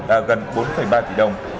là gần bốn ba tỷ đồng